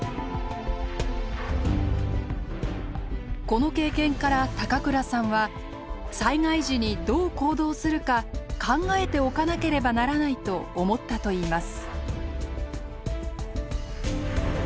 この経験から倉さんは災害時にどう行動するか考えておかなければならないと思ったと言います。